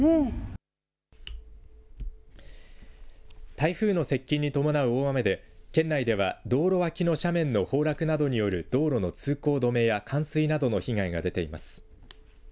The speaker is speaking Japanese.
台風の接近に伴う大雨で県内では道路脇の斜面の崩落などによる道路の通行止めや冠水などの被害が出ています。